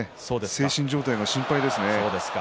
精神状態が心配です。